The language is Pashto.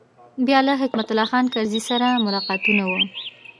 بیا له حکمت الله خان کرزي سره ملاقاتونه و.